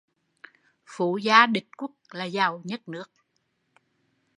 Phú gia địch quốc là giàu nhất nước